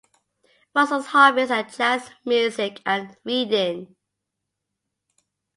Rusol's hobbies are jazz music and reading.